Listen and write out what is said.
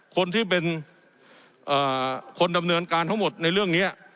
คนที่เป็นคนดำเนินการทั้งหมดในเรื่องนี้